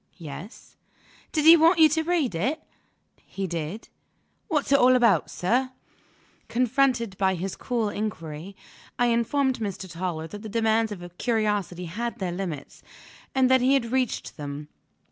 "Yes." "Did he want you to read it?" "He did." "What's it all about, sir?" Confronted by this cool inquiry, I informed Mr. Toller that the demands of curiosity had their limits, and that he had reached them.